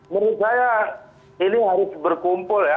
menurut saya ini harus berkumpul ya